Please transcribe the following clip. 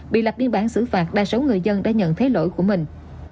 bị lập biên bản xử phạt đa số người dân đã nhận thấy lỗi của mình